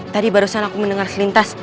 tadi barusan aku mendengar selintas